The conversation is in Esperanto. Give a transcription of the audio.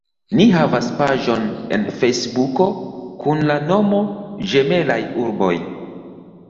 Ni havas paĝon en Fejsbuko kun la nomo Ĝemelaj Urboj.